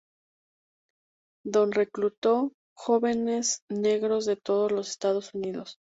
Don, reclutó jóvenes negros de todos los Estados Unidos.